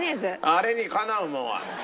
あれにかなうものは。